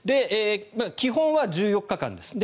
基本は１４日間です。